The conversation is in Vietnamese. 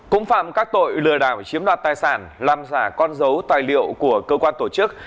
cũng phạm các tội lừa đảo chiếm đoạt tài sản làm giả con dấu tài liệu của cơ quan tổ chức